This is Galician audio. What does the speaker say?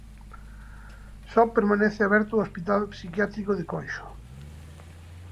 Só permanece aberto o Hospital Psiquiátrico de Conxo.